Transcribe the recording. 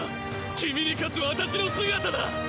君に勝つ私の姿だ！